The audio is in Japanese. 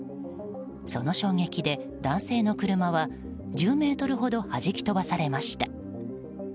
その衝撃で男性の車は１０ｍほど弾き飛ばされました。